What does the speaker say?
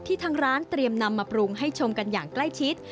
ทางร้านเตรียมนำมาปรุงให้ชมกันอย่างใกล้ชิด